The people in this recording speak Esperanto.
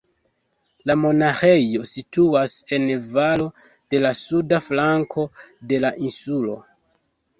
La monaĥejo situas en valo de la suda flanko de la insulo.